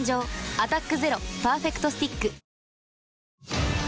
「アタックＺＥＲＯパーフェクトスティック」